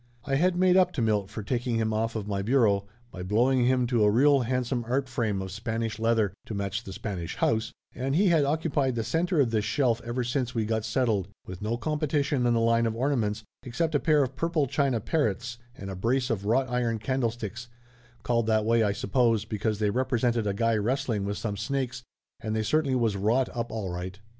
I had made up to Milt for taking him off of my bureau, by blowing him to a real handsome art frame of Spanish leather, to match the Spanish house, and he had occupied the center of this shelf ever since we got settled, with no competition in the line of ornaments except a pair of purple china parrots and a brace of Laughter Limited 247 wrought iron candlesticks, called that way, I suppose, because they represented a guy wrestling with some snakes and they certainly was wrought up all right.